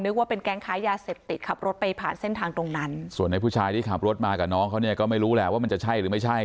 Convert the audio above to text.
ว่าเป็นแก๊งค้ายาเสพติดขับรถไปผ่านเส้นทางตรงนั้นส่วนในผู้ชายที่ขับรถมากับน้องเขาเนี่ยก็ไม่รู้แหละว่ามันจะใช่หรือไม่ใช่